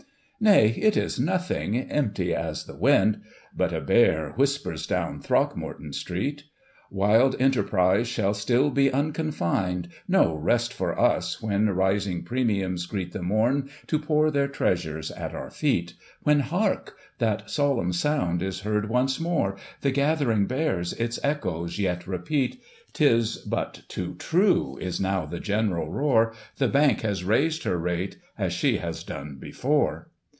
Nay, it is nothing, empty as the wind. But a bear " whisper down Throgmorton Street ; Wild enterprise shall still be unconfined ; No rest for us, when rising premiums greet The morn,, to pour their treasures at our feet ;— When, hark ! that solemn sound is heard once more, The gathering bears its echoes yet repeat — 'Tis but too true, is now the general roar, The Bank has raised her rate, as she has done before.